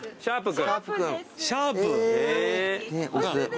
シャープ君。